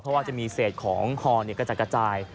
เพราะว่าจะมีเศษของฮอกระจัดกระจาย